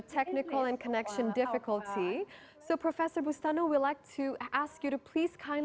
apakah kita akan mendapatkan penyelamat di dalam kondisi ini